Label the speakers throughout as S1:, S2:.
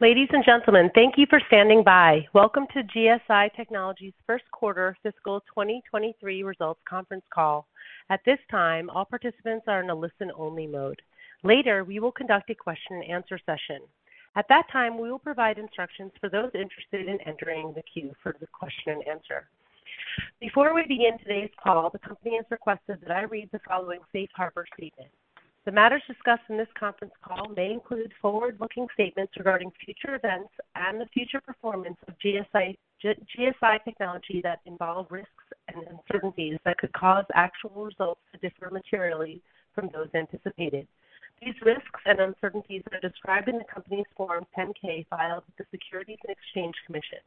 S1: Ladies and gentlemen, thank you for standing by. Welcome to GSI Technology's first quarter fiscal 2023 results conference call. At this time, all participants are in a listen-only mode. Later, we will conduct a question-and-answer session. At that time, we will provide instructions for those interested in entering the queue for the question and answer. Before we begin today's call, the company has requested that I read the following safe harbor statement. The matters discussed in this conference call may include forward-looking statements regarding future events and the future performance of GSI Technology that involve risks and uncertainties that could cause actual results to differ materially from those anticipated. These risks and uncertainties are described in the company's Form 10-K filed with the Securities and Exchange Commission.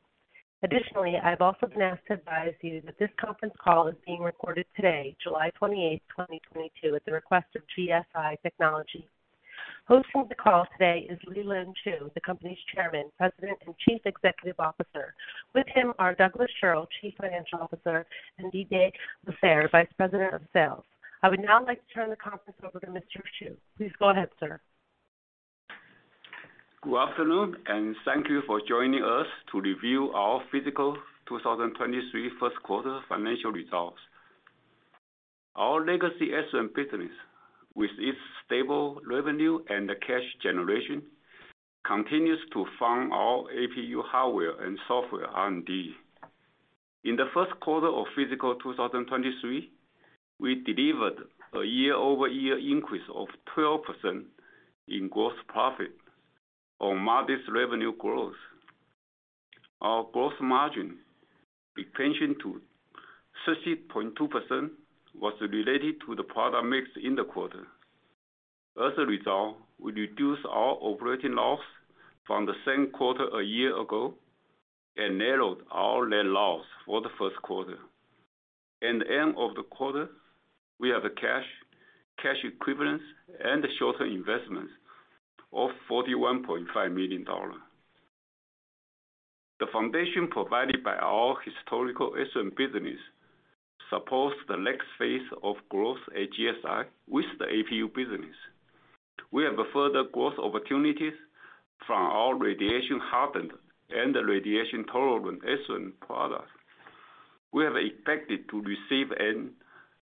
S1: Additionally, I've also been asked to advise you that this conference call is being recorded today, July 28th, 2022, at the request of GSI Technology. Hosting the call today is Lee-Lean Shu, the company's Chairman, President, and Chief Executive Officer. With him are Douglas Schirle, Chief Financial Officer, and Didier Lasserre, Vice President of Sales. I would now like to turn the conference over to Mr. Shu. Please go ahead, sir.
S2: Good afternoon, and thank you for joining us to review our fiscal 2023 first quarter financial results. Our legacy SRAM business, with its stable revenue and cash generation, continues to fund our APU hardware and software R&D. In the first quarter of fiscal 2023, we delivered a year-over-year increase of 12% in gross profit on modest revenue growth. Our gross margin expansion to 30.2% was related to the product mix in the quarter. As a result, we reduced our operating loss from the same quarter a year ago and narrowed our net loss for the first quarter. At the end of the quarter, we had cash equivalents, and short-term investments of $41.5 million. The foundation provided by our historical SRAM business supports the next phase of growth at GSI with the APU business. We have further growth opportunities from our radiation-hardened and radiation-tolerant SRAM products. We have expected to receive a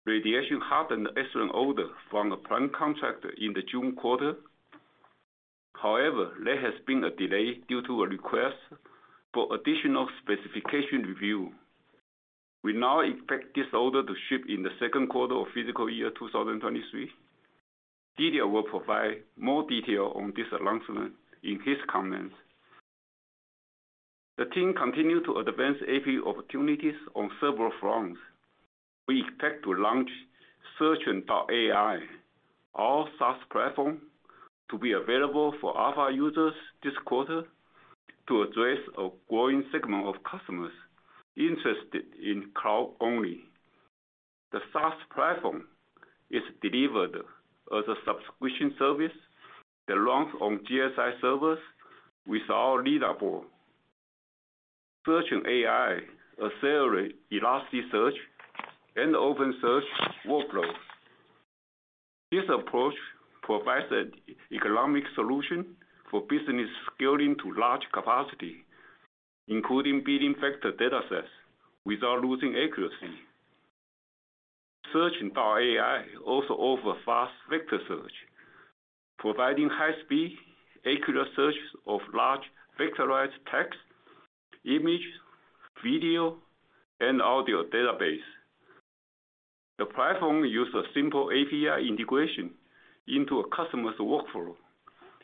S2: radiation-hardened SRAM order from a prime contractor in the June quarter. However, there has been a delay due to a request for additional specification review. We now expect this order to ship in the second quarter of fiscal year 2023. Didier will provide more detail on this announcement in his comments. The team continued to advance APU opportunities on several fronts. We expect to launch SearchOn.ai, our SaaS platform to be available for alpha users this quarter to address a growing segment of customers interested in cloud-only. The SaaS platform is delivered as a subscription service that runs on GSI servers with our Leda board. SearchOn.ai accelerate Elasticsearch and OpenSearch workloads. This approach provides an economic solution for business scaling to large capacity, including building vector datasets without losing accuracy. SearchOn.ai also offer fast vector search, providing high-speed, accurate searches of large vectorized text, image, video, and audio database. The platform uses simple API integration into a customer's workflow,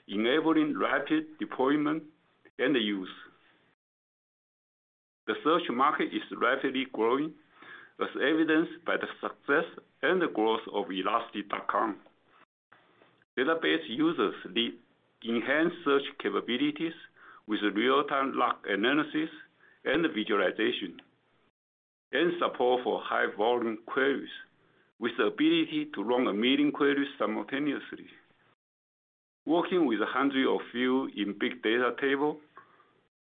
S2: enabling rapid deployment and use. The search market is rapidly growing, as evidenced by the success and the growth of Elastic.com. Database users need enhanced search capabilities with real-time log analysis and visualization and support for high volume queries with the ability to run one million queries simultaneously. Working with hundreds of field in big data table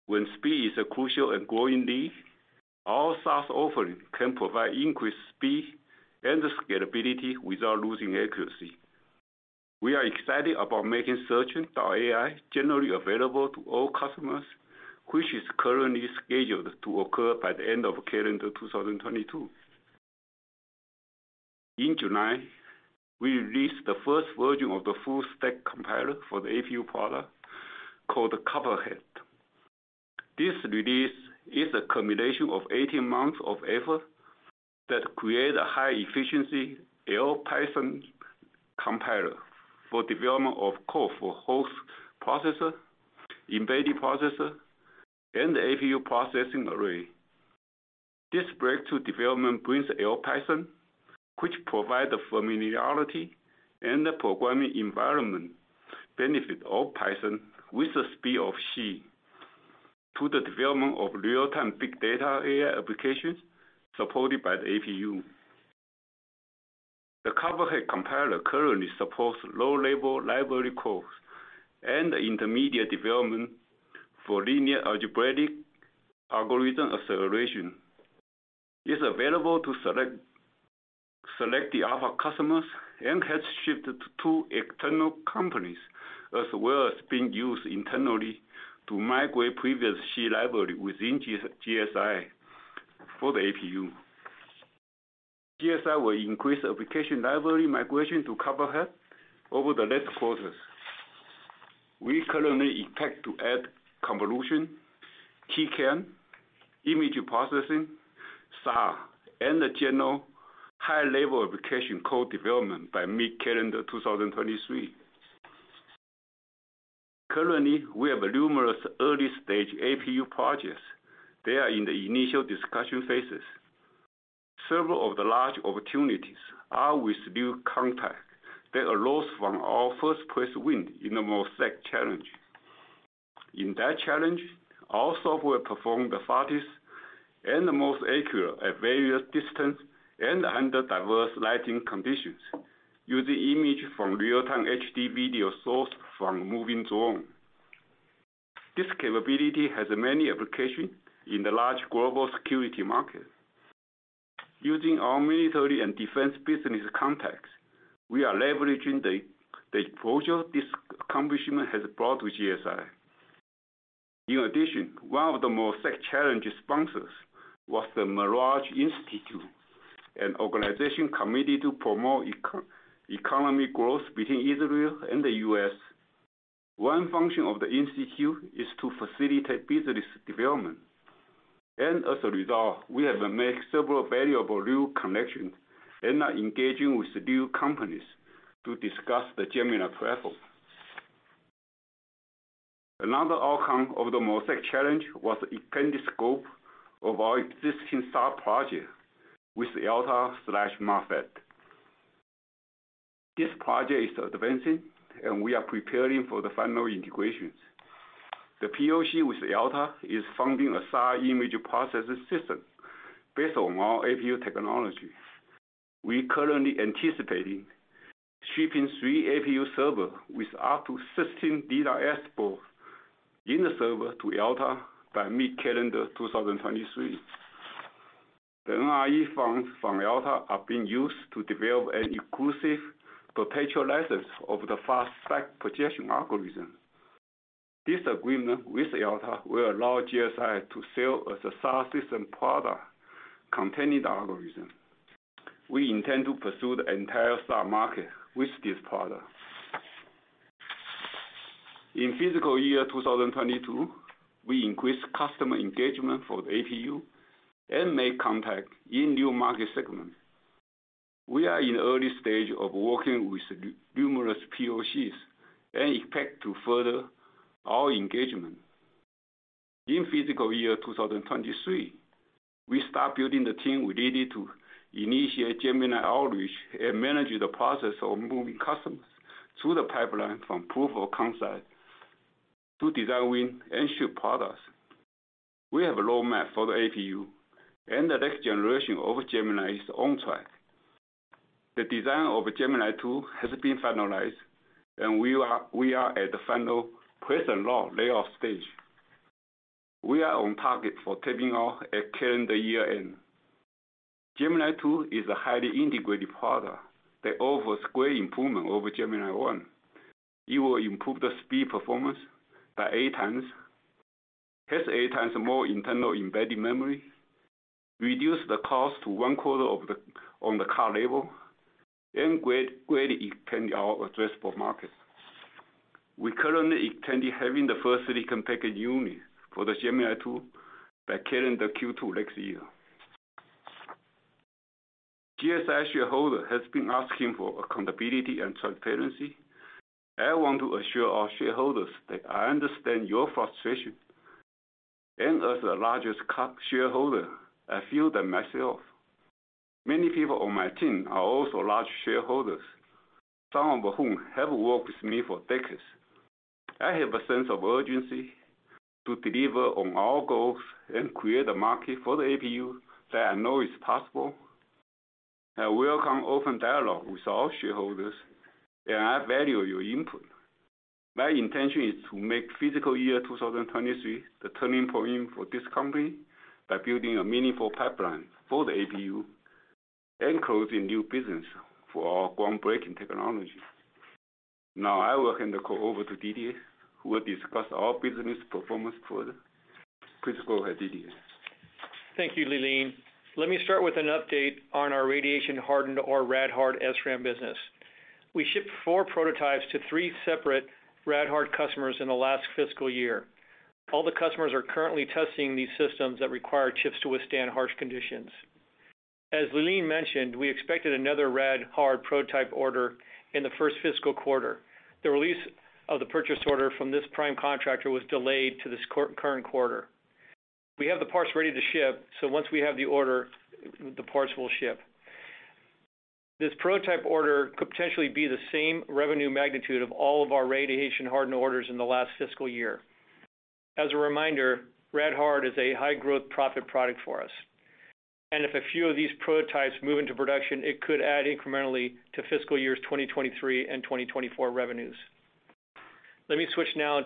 S2: when speed is a crucial and growing need, our SaaS offering can provide increased speed and scalability without losing accuracy. We are excited about making SearchOn.ai generally available to all customers, which is currently scheduled to occur by the end of calendar 2022. In July, we released the first version of the full stack compiler for the APU product called Copperhead. This release is a combination of 18 months of effort that create a high efficiency LPython compiler for development of code for host processor, embedded processor, and APU processing array. This breakthrough development brings LPython, which provide the familiarity and the programming environment benefit of Python with the speed of C to the development of real-time big data AI applications supported by the APU. The Copperhead compiler currently supports low-level library codes and intermediate development for linear algebraic algorithm acceleration. It's available to select alpha customers and has shipped to two external companies, as well as being used internally to migrate previous C library within GSI for the APU. GSI will increase application library migration to cover more over the next quarters. We currently expect to add convolution, CAM, image processing, SAR, and the general high level application code development by mid-calendar 2023. Currently, we have numerous early stage APU projects. They are in the initial discussion phases. Several of the large opportunities are with new contacts that arose from our first place win in the MoSAIC challenge. In that challenge, our software performed the fastest and the most accurate at various distance and under diverse lighting conditions using image from real-time HD video source from moving drone. This capability has many applications in the large global security market. Using our military and defense business contacts, we are leveraging the exposure this accomplishment has brought to GSI. In addition, one of the most MoSAIC challenge sponsors was the Merage Institute, an organization committed to promote economic growth between Israel and the U.S. One function of the institute is to facilitate business development. As a result, we have made several valuable new connections and are engaging with new companies to discuss the Gemini platform. Another outcome of the MoSAIC challenge was extended scope of our existing sub-project with Elta/MAFAT. This project is advancing, and we are preparing for the final integrations. The POC with Elta is funding a SAR image processing system based on our APU technology. We are currently anticipating shipping 3 APU servers with up to 16 DDR slots in the server to Elta by mid-calendar 2023. The NRE funds from Elta are being used to develop an exclusive potential license of the fast back-projection algorithm. This agreement with Elta will allow GSI to sell a SAR system product containing the algorithm. We intend to pursue the entire SAR market with this product. In fiscal year 2022, we increased customer engagement for the APU and made contact in new market segments. We are in early stage of working with numerous POCs and expect to further our engagement. In fiscal year 2023, we start building the team we needed to initiate Gemini outreach and manage the process of moving customers through the pipeline from proof of concept to design, win, and ship products. We have a roadmap for the APU and the next generation of Gemini is on track. The design of Gemini-II has been finalized, and we are at the final place and route layout stage. We are on target for tape out at calendar year end. Gemini-II is a highly integrated product that offers great improvement over Gemini-I. It will improve the speed performance by 8x, has 8x more internal embedded memory, reduce the cost to one quarter on the core level, and greatly extend our addressable market. We currently expecting having the first silicon package unit for the Gemini-II by calendar Q2 next year. GSI shareholder has been asking for accountability and transparency. I want to assure our shareholders that I understand your frustration. As the largest cap shareholder, I feel that myself. Many people on my team are also large shareholders, some of whom have worked with me for decades. I have a sense of urgency to deliver on our goals and create a market for the APU that I know is possible. I welcome open dialogue with our shareholders, and I value your input. My intention is to make fiscal year 2023 the turning point for this company by building a meaningful pipeline for the APU and closing new business for our groundbreaking technology. Now I will hand the call over to Didier, who will discuss our business performance further. Please go ahead, Didier.
S3: Thank you, Lee-Lean. Let me start with an update on our radiation hardened or rad hard SRAM business. We shipped four prototypes to three separate rad hard customers in the last fiscal year. All the customers are currently testing these systems that require chips to withstand harsh conditions. As Lee-Lean mentioned, we expected another rad hard prototype order in the first fiscal quarter. The release of the purchase order from this prime contractor was delayed to this current quarter. We have the parts ready to ship, so once we have the order, the parts will ship. This prototype order could potentially be the same revenue magnitude of all of our radiation hardened orders in the last fiscal year. As a reminder, rad hard is a high growth profit product for us. If a few of these prototypes move into production, it could add incrementally to fiscal years 2023 and 2024 revenues. Let me switch now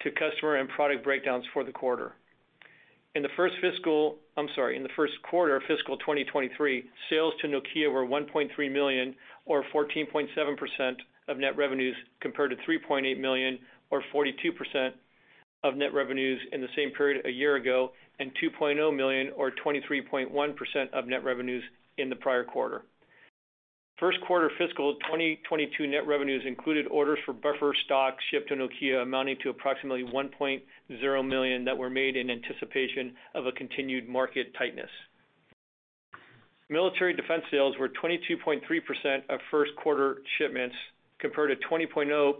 S3: to customer and product breakdowns for the quarter. In the first quarter of fiscal 2023, sales to Nokia were $1.3 million or 14.7% of net revenues, compared to $3.8 million or 42% of net revenues in the same period a year ago, and $2.0 million or 23.1% of net revenues in the prior quarter. First quarter fiscal 2022 net revenues included orders for buffer stock shipped to Nokia, amounting to approximately $1.0 million that were made in anticipation of a continued market tightness. Military defense sales were 22.3% of first quarter shipments, compared to 20.0%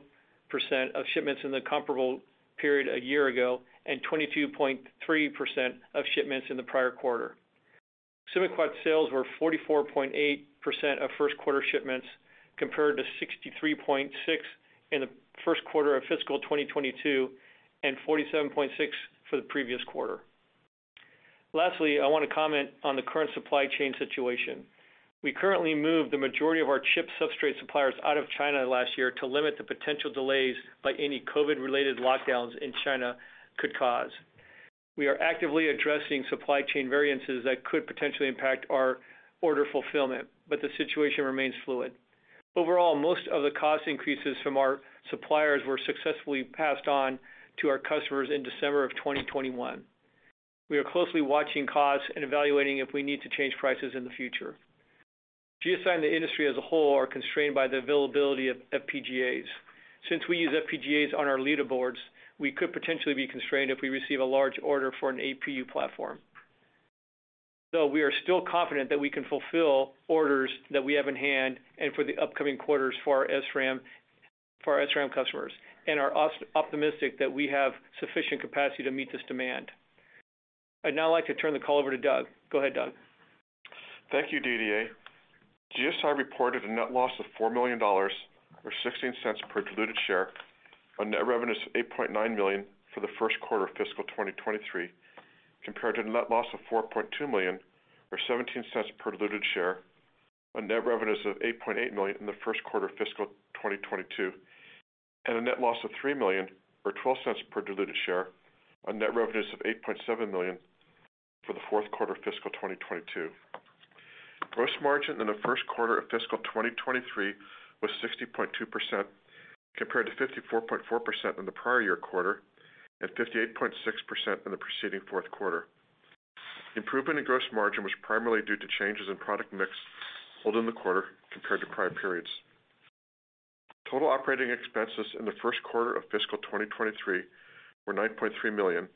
S3: of shipments in the comparable period a year ago, and 22.3% of shipments in the prior quarter. SigmaQuad sales were 44.8% of first quarter shipments, compared to 63.6% in the first quarter of fiscal 2022, and 47.6% for the previous quarter. Lastly, I wanna comment on the current supply chain situation. We currently moved the majority of our chip substrate suppliers out of China last year to limit the potential delays that any COVID-related lockdowns in China could cause. We are actively addressing supply chain variances that could potentially impact our order fulfillment, but the situation remains fluid. Overall, most of the cost increases from our suppliers were successfully passed on to our customers in December of 2021. We are closely watching costs and evaluating if we need to change prices in the future. GSI and the industry as a whole are constrained by the availability of FPGAs. Since we use FPGAs on our Leda boards, we could potentially be constrained if we receive a large order for an APU platform. We are still confident that we can fulfill orders that we have in hand and for the upcoming quarters for our SRAM customers, and are optimistic that we have sufficient capacity to meet this demand. I'd now like to turn the call over to Doug. Go ahead, Doug.
S4: Thank you, Didier. GSI reported a net loss of $4 million, or $0.16 per diluted share, on net revenues of $8.9 million for the first quarter of fiscal 2023, compared to a net loss of $4.2 million or $0.17 per diluted share on net revenues of $8.8 million in the first quarter of fiscal 2022, and a net loss of $3 million or $0.12 per diluted share on net revenues of $8.7 million for the fourth quarter of fiscal 2022. Gross margin in the first quarter of fiscal 2023 was 60.2%, compared to 54.4% in the prior year quarter and 58.6% in the preceding fourth quarter. Improvement in gross margin was primarily due to changes in product mix sold in the quarter compared to prior periods. Total operating expenses in the first quarter of fiscal 2023 were $9.3 million,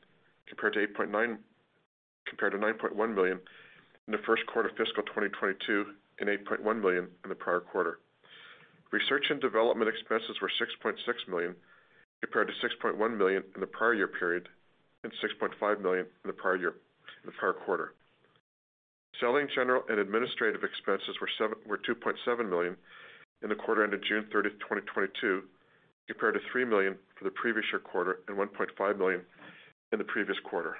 S4: compared to $9.1 million in the first quarter of fiscal 2022 and $8.1 million in the prior quarter. Research and development expenses were $6.6 million, compared to $6.1 million in the prior year period and $6.5 million in the prior quarter. Selling, general, and administrative expenses were $2.7 million in the quarter ended June 30, 2022, compared to $3 million for the previous year quarter and $1.5 million in the previous quarter.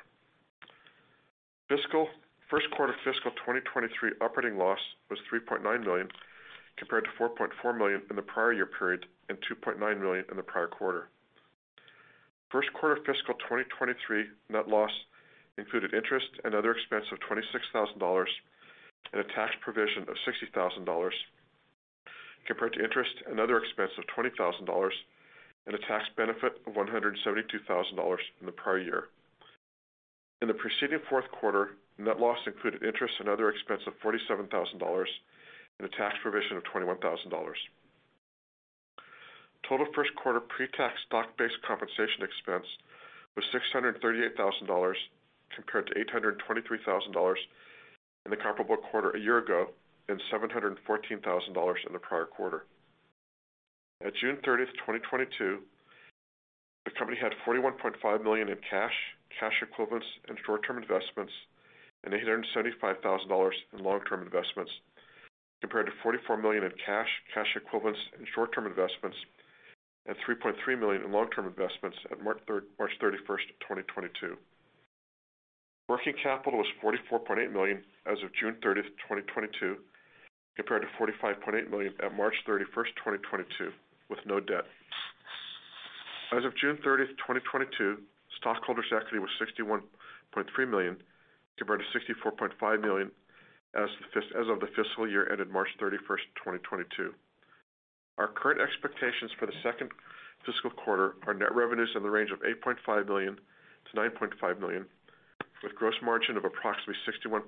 S4: Fiscal first quarter fiscal 2023 operating loss was $3.9 million, compared to $4.4 million in the prior year period and $2.9 million in the prior quarter. First quarter fiscal 2023 net loss included interest and other expense of $26,000 and a tax provision of $60,000, compared to interest and other expense of $20,000 and a tax benefit of $172,000 in the prior year. In the preceding fourth quarter, net loss included interest and other expense of $47,000 and a tax provision of $21,000. Total first quarter pre-tax stock-based compensation expense was $638,000, compared to $823,000 in the comparable quarter a year ago and $714,000 in the prior quarter. At June 30th, 2022, the company had $41.5 million in cash equivalents, and short-term investments, and $875,000 in long-term investments, compared to $44 million in cash equivalents, and short-term investments, and $3.3 million in long-term investments at March 31st, 2022. Working capital was $44.8 million as of June 30th, 2022, compared to $45.8 million at March 31st, 2022, with no debt. As of June 30th, 2022, stockholders' equity was $61.3 million, compared to $64.5 million as of the fiscal year ended March 31st, 2022. Our current expectations for the second fiscal quarter are net revenues in the range of $8.5 million-$9.5 million, with gross margin of approximately 61%-63%.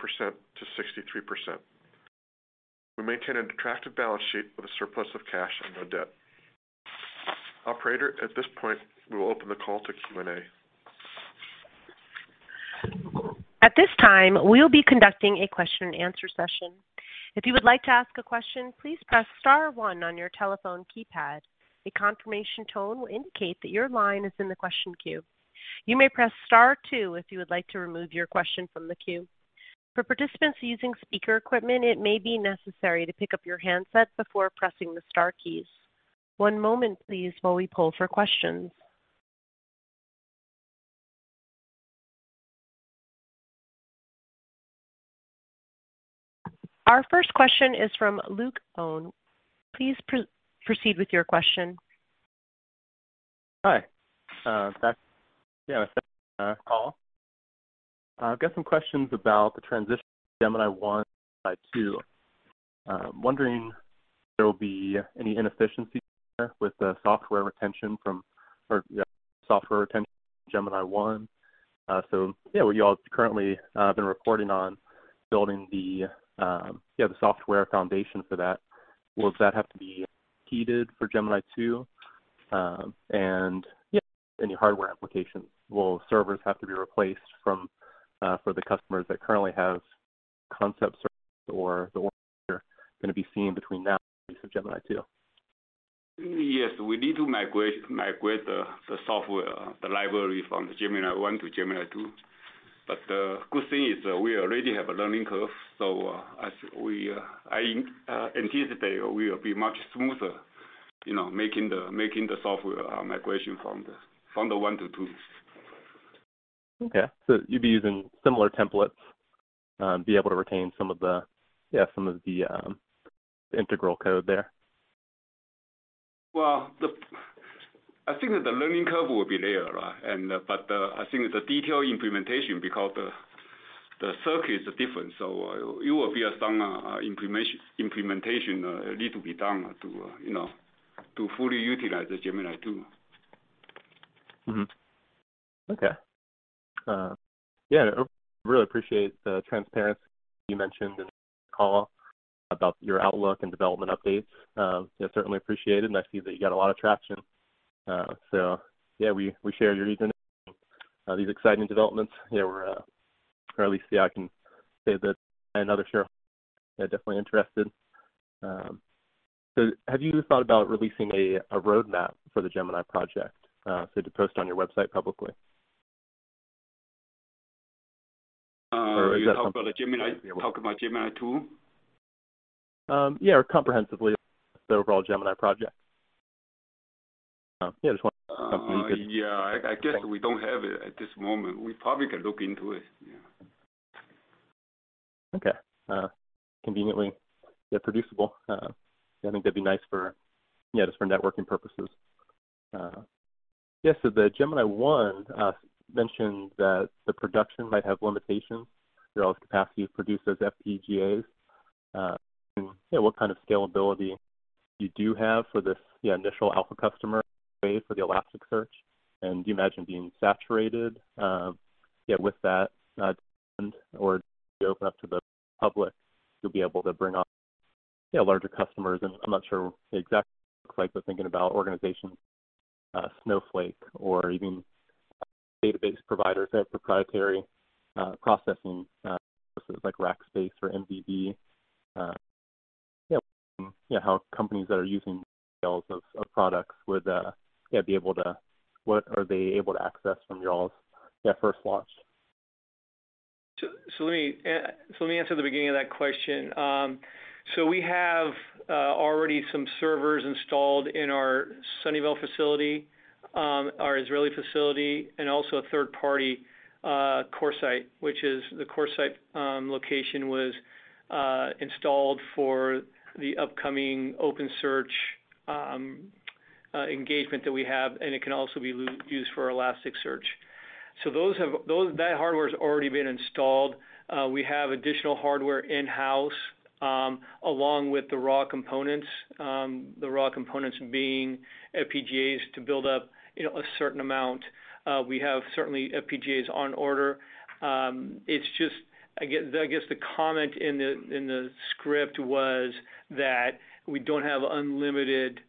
S4: We maintain an attractive balance sheet with a surplus of cash and no debt. Operator, at this point, we will open the call to Q&A.
S1: At this time, we will be conducting a question and answer session. If you would like to ask a question, please press star one on your telephone keypad. A confirmation tone will indicate that your line is in the question queue. You may press star two if you would like to remove your question from the queue. For participants using speaker equipment, it may be necessary to pick up your handset before pressing the star keys. One moment please while we poll for questions. Our first question is from Luke Owen. Please proceed with your question.
S5: Hi. Back. Yeah, second call. I've got some questions about the transition to Gemini-I, Gemini-II. Wondering if there'll be any inefficiencies there with the software retention from Gemini-I. What you all currently been reporting on building the software foundation for that. Will that have to be ported for Gemini-II? Any hardware applications? Will servers have to be replaced for the customers that currently have Leda servers or the ones that are gonna be shipped between now and the release of Gemini-II?
S2: Yes. We need to migrate the software, the library from the Gemini-I to Gemini-II. The good thing is that we already have a learning curve. As I anticipate we'll be much smoother, you know, making the software migration from the one to two.
S5: Okay. You'd be using similar templates, be able to retain some of the integral code there?
S2: Well, I think that the learning curve will be there, right? I think the detailed implementation because the circuit is different, so it will be some implementation need to be done to, you know, to fully utilize the Gemini-II.
S5: Yeah. Really appreciate the transparency you mentioned in the call about your outlook and development updates. Yeah, certainly appreciate it, and I see that you got a lot of traction. So yeah, we share your enthusiasm. These exciting developments, yeah, or at least, I can say that I and other shareholders are definitely interested. So have you thought about releasing a roadmap for the Gemini project, so to post on your website publicly?
S2: You talk about the Gemini-
S5: Yeah.
S2: Talk about Gemini-II?
S5: Yeah, comprehensively the overall Gemini project. Yeah, just wondering how complete you-
S2: Yeah. I guess we don't have it at this moment. We probably can look into it. Yeah.
S5: Okay. Conveniently they're producible. I think that'd be nice for just networking purposes. Yes, the Gemini-I mentioned that the production might have limitations. Y'all's capacity to produce those FPGAs. What kind of scalability you do have for this initial alpha customer base for the Elasticsearch. Do you imagine being saturated with that demand? Or you open up to the public, you'll be able to bring on larger customers? I'm not sure exactly what it looks like, but thinking about organizations, Snowflake or even database providers that have proprietary processing like Rackspace or IBM. What are they able to access from y'all's first launch?
S3: Let me answer the beginning of that question. We have already some servers installed in our Sunnyvale facility, our Israeli facility and also a third party CoreSite, which is the CoreSite location was installed for the upcoming OpenSearch engagement that we have, and it can also be used for Elasticsearch. That hardware's already been installed. We have additional hardware in-house, along with the raw components, the raw components being FPGAs to build up, you know, a certain amount. We have certainly FPGAs on order. It's just I guess the comment in the script was that we don't have unlimited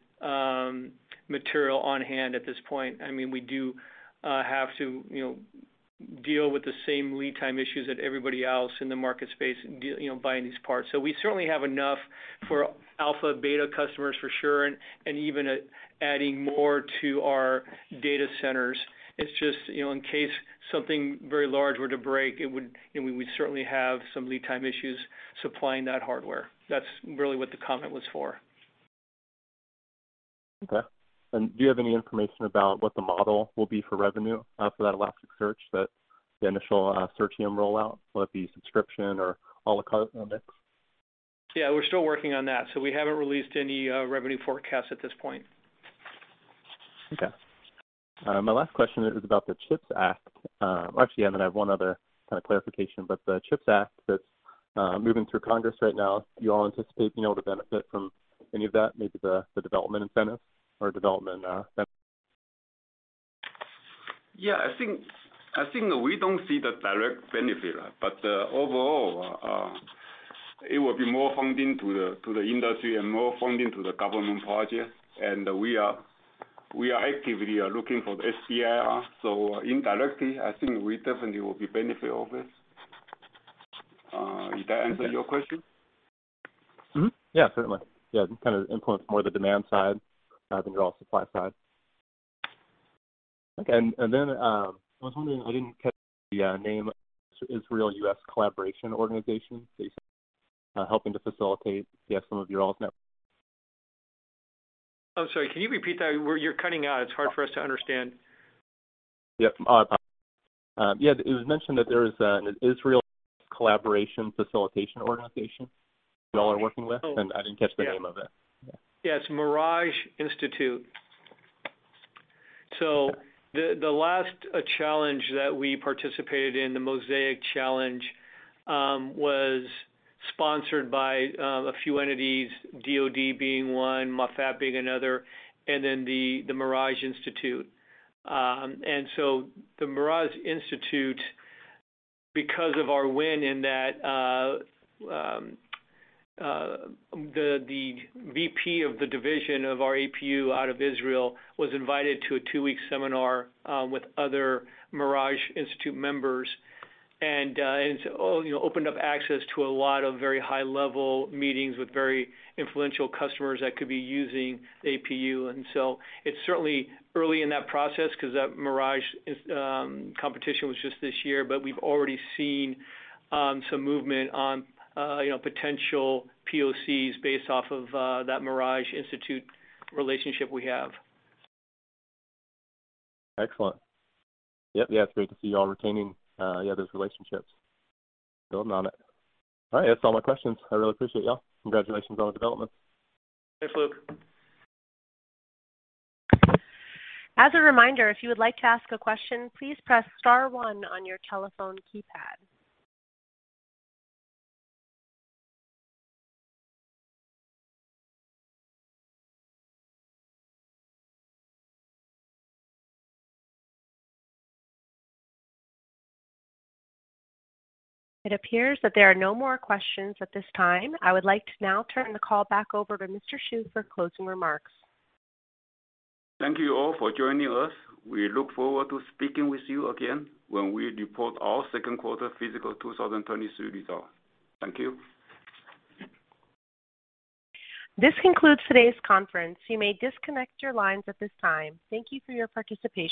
S3: material on hand at this point. I mean, we do have to, you know, deal with the same lead time issues that everybody else in the market space, you know, buying these parts. So we certainly have enough for alpha, beta customers for sure, and even adding more to our data centers. It's just, you know, in case something very large were to break, it would. You know, we would certainly have some lead time issues supplying that hardware. That's really what the comment was for.
S5: Do you have any information about what the model will be for revenue, for that Elasticsearch that the initial SearchOn rollout? Will it be subscription or à la carte mix?
S3: Yeah, we're still working on that, so we haven't released any revenue forecast at this point.
S5: Okay. My last question is about the CHIPS Act. Actually, I might have one other kind of clarification, but the CHIPS Act that's moving through Congress right now, you all anticipating you able to benefit from any of that, maybe the development incentive or development benefits?
S2: Yeah. I think we don't see the direct benefit. Overall, it will be more funding to the industry and more funding to the government project. We are actively looking for the SBIR. Indirectly, I think we definitely will be benefit of it. Did that answer your question?
S5: Mm-hmm. Yeah, certainly. Yeah, kind of influence more the demand side than your all's supply side. Okay. Then, I was wondering, I didn't catch the name, Israel-U.S. collaboration organization that you said, helping to facilitate, yeah, some of your all's network.
S3: I'm sorry, can you repeat that? You're cutting out. It's hard for us to understand.
S5: Yep. Yeah, it was mentioned that there is an Israel collaboration facilitation organization you all are working with, and I didn't catch the name of it.
S3: Yeah, it's Merage Institute. The last challenge that we participated in, the MoSAIC Challenge, was sponsored by a few entities, DoD being one, MAFAT being another, and then the Merage Institute. The Merage Institute, because of our win in that, the VP of the division of our APU out of Israel was invited to a two-week seminar with other Merage Institute members. And so you know, opened up access to a lot of very high-level meetings with very influential customers that could be using APU. It's certainly early in that process 'cause that Merage Institute competition was just this year, but we've already seen some movement on you know, potential POCs based off of that Merage Institute relationship we have.
S5: Excellent. Yep. Yeah, it's great to see y'all retaining, yeah, those relationships. Building on it. All right, that's all my questions. I really appreciate y'all. Congratulations on the development.
S3: Thanks, Luke.
S1: As a reminder, if you would like to ask a question, please press star one on your telephone keypad. It appears that there are no more questions at this time. I would like to now turn the call back over to Mr. Shu for closing remarks.
S2: Thank you all for joining us. We look forward to speaking with you again when we report our second quarter fiscal 2023 result. Thank you.
S1: This concludes today's conference. You may disconnect your lines at this time. Thank you for your participation.